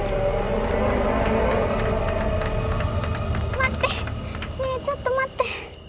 待って！ねぇちょっと待って！